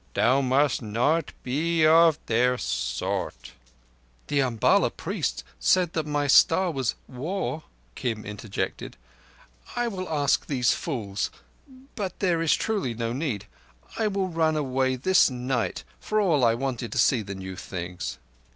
Thou must not be of their sort." "The Umballa priest said that my Star was War," Kim interjected. "I will ask these fools—but there is truly no need. I will run away this night, for all I wanted to see the new things."